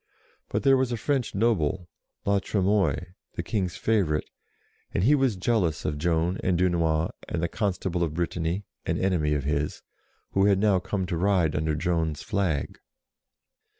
But there was a French noble, La Tremoille, the King's favourite, and he was jealous of Joan and Dunois and the Constable of Brittany, an enemy of his, who had now come to ride under Joan's flag.